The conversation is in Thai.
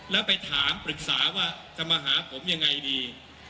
แล้วไปถามปรึกษาว่าจะมาหาผมยังไงดี